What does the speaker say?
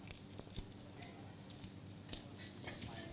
คุณจะได้รับบทแข่งกัน